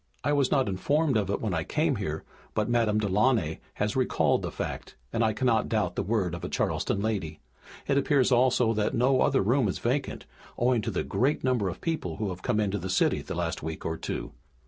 I was not informed of it when I came here, but Madame Delaunay has recalled the fact and I cannot doubt the word of a Charleston lady. It appears also that no other room is vacant, owing to the great number of people who have come into the city in the last week or two.